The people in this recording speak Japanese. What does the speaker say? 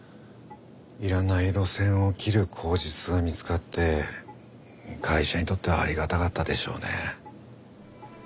いらない路線を切る口実が見つかって会社にとってはありがたかったでしょうね。